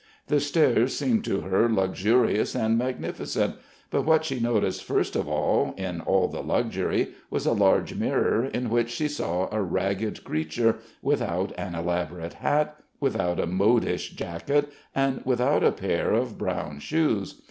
The stairs seemed to her luxurious and magnificent, but what she noticed first of all in all the luxury was a large mirror in which she saw a ragged creature without an elaborate hat, without a modish jacket, and without a pair of brown shoes.